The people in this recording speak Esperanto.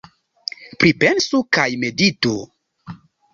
Pripensu kaj meditu.